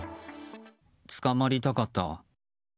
捕まりたかった。